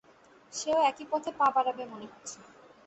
সেও একই পথে পা বাড়াবে মনে হচ্ছে।